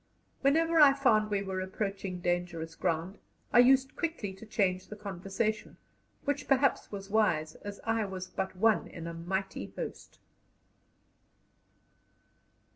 Whenever I found we were approaching dangerous ground, I used quickly to change the conversation, which perhaps was wise, as I was but one in a mighty host.